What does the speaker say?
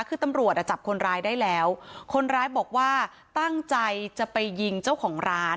คือตำรวจอ่ะจับคนร้ายได้แล้วคนร้ายบอกว่าตั้งใจจะไปยิงเจ้าของร้าน